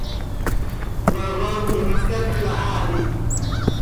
Vaváv quih ma scatxla haa hi.